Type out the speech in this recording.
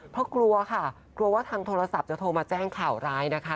เพราะกลัวค่ะกลัวว่าทางโทรศัพท์จะโทรมาแจ้งข่าวร้ายนะคะ